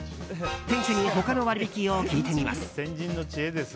店主には他の割引を聞いてみます。